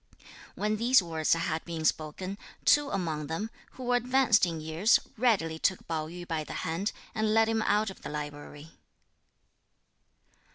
When these words had been spoken, two among them, who were advanced in years, readily took Pao yü by the hand, and led him out of the library.